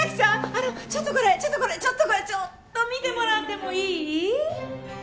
あのちょっとこれちょっとこれちょっとこれちょっと見てもらってもいい？